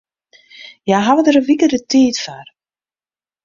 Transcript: Hja hawwe dêr in wike de tiid foar.